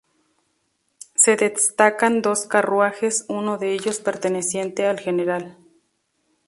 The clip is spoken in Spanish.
Se destacan dos carruajes, uno de ellos perteneciente al Gral.